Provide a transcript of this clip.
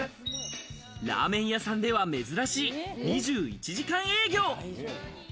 ラーメン屋さんでは珍しい２１時間営業。